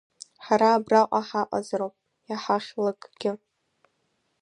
Ҳара абраҟа ҳаҟазароуп иҳахьлакгьы!